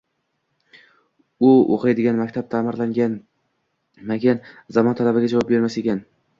u o‘qiydigan maktab ta’mirlanmagan, zamon talabiga javob bermas ekan.